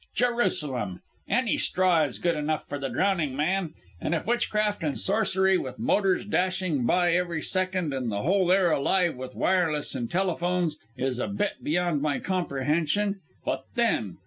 Jerusalem! Any straw is good enough for the drowning man, and if witchcraft and sorcery with motors dashing by every second and the whole air alive with wireless and telephones, is a bit beyond my comprehension, what then?